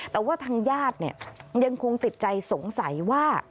แต่ว่าทางญาติยังคงติดใจสงสัยว่า